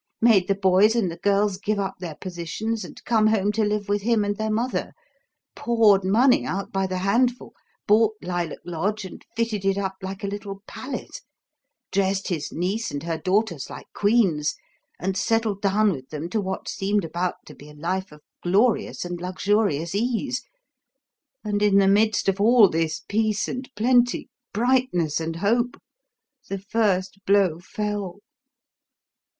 Made the boys and the girls give up their positions and come home to live with him and their mother, poured money out by the handful, bought Lilac Lodge and fitted it up like a little palace, dressed his niece and her daughters like queens, and settled down with them to what seemed about to be a life of glorious and luxurious ease, and in the midst of all this peace and plenty, brightness and hope, the first blow fell.